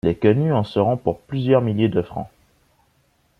Les Quenu en seront pour plusieurs milliers de francs…